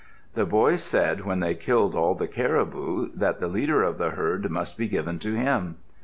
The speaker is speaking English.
The boy said when they killed all the caribou that the leader of the herd must be given to him.